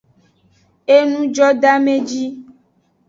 Enujodeameji.